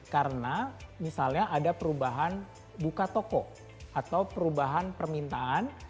karena misalnya ada perubahan buka toko atau perubahan permintaan